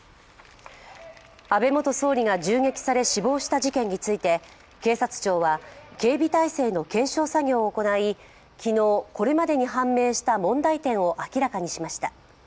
安倍元総理が銃撃され死亡した事件について警察庁は、警備態勢の検証作業を行い昨日、これまでに判明した問題点を明らかにしました。